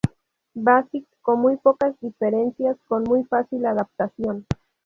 Basic con muy pocas diferencias, con muy fácil adaptación.